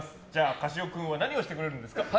樫尾君は何をしてくれるんですか。